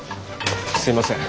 すいません。